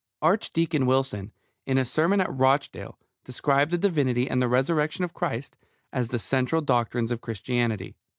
Archdeacon Wilson, in a sermon at Rochdale, described the divinity and Resurrection of Christ as "the central doctrines of Christianity."